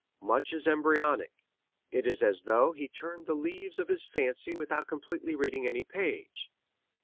Much is embryonic. It is as though he turned the leaves of his fancy without completely reading any page.